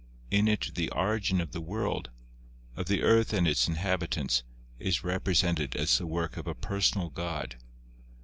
In it the origin of the world, of the earth and its inhabitants, is represented as the work of a personal God.